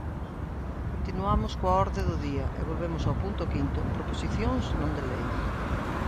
Continuamos coa orde do día e volvemos ao punto quinto, proposicións non de lei.